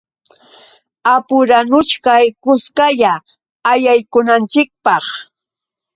Apuranuchkay kuskalla allaykunanchikpaq.